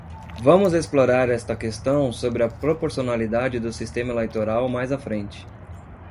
Vamos explorar esta questão sobre a proporcionalidade do sistema eleitoral mais à frente.